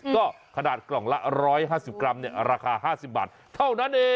ก็ขนาดกล่องละ๑๕๐กรัมราคา๕๐บาทเท่านั้นเอง